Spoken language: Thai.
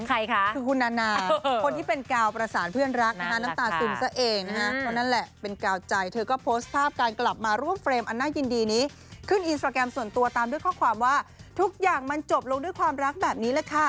ใครคะคือคุณนานาคนที่เป็นกาวประสานเพื่อนรักนะฮะน้ำตาซึมซะเองนะฮะเพราะนั่นแหละเป็นกาวใจเธอก็โพสต์ภาพการกลับมาร่วมเฟรมอันน่ายินดีนี้ขึ้นอินสตราแกรมส่วนตัวตามด้วยข้อความว่าทุกอย่างมันจบลงด้วยความรักแบบนี้แหละค่ะ